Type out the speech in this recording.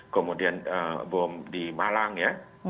kemudian bom di malang ya